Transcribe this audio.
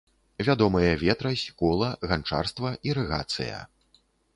Вядомыя ветразь, кола, ганчарства, ірыгацыя.